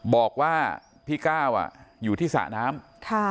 บอกว่าพี่ก้าวอยู่ที่สระน้ำ